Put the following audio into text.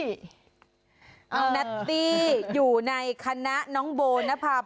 แนตตี้อยู่ในคณะน้องโบนภาพ